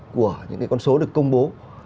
của những cái con số được công bố